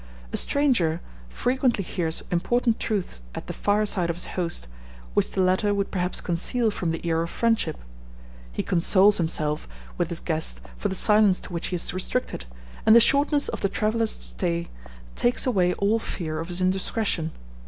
A stranger frequently hears important truths at the fire side of his host, which the latter would perhaps conceal from the ear of friendship; he consoles himself with his guest for the silence to which he is restricted, and the shortness of the traveller's stay takes away all fear of his indiscretion.